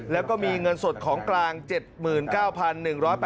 แล้วก็มีเงินสดของกลาง๗๙๑๘๐